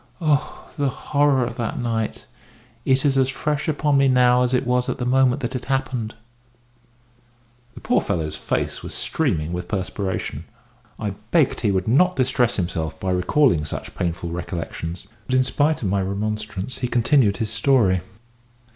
Oh! the horror of that night; it is as fresh upon me now as it was at the moment that it happened." The poor fellow's face was streaming with perspiration. I begged he would not distress himself by recalling such painful recollections, but in spite of my remonstrance he continued his story.